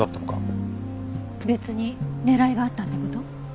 別に狙いがあったって事？